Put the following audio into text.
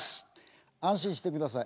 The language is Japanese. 安心してください。